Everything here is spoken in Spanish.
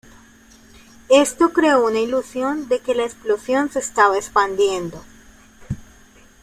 Esto creó una ilusión de que la explosión se estaba expandiendo.